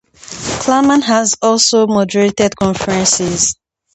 Claman has also moderated conferences.